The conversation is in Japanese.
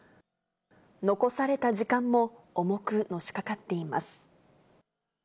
残された時間も重くのしかかっています。